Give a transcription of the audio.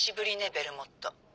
ベルモット。